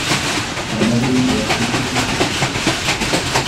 La majorité absolue suffit.